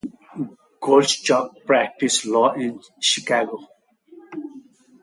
Gottschalk practiced law in Chicago.